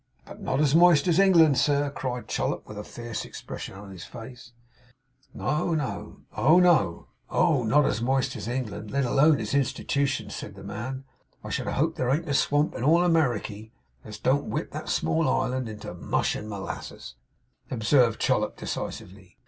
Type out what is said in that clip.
'But not as moist as England, sir?' cried Chollop, with a fierce expression in his face. 'Oh! Not as moist as England; let alone its Institutions,' said the man. 'I should hope there ain't a swamp in all Americay, as don't whip THAT small island into mush and molasses,' observed Chollop, decisively.